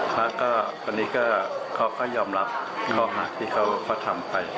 แล้วก็ตอนนี้ก็เขาก็ยอมรับข้อหากที่เขาเขาทำไป